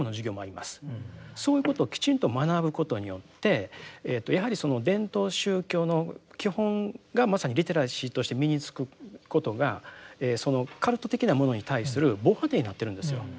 そういうことをきちんと学ぶことによってやはりその伝統宗教の基本がまさにリテラシーとして身につくことがカルト的なものに対する防波堤になってるんですよ。